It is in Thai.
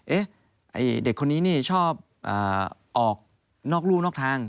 เอ๊ะเด็กคนนี้ชอบออกนอกรูนอกทาง